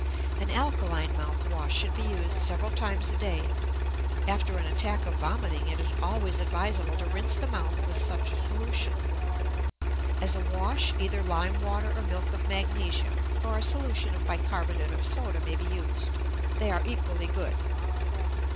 An alkaline mouth wash should be used several times a day; after an attack of vomiting it is always advisable to rinse the mouth with such a solution. As a wash either lime water or milk of magnesia, or a solution of bicarbonate of soda may be used; they are equally good.